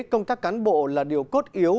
công tác cán bộ là điều cốt yếu